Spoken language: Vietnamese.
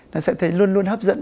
nó sẽ thấy luôn luôn hấp dẫn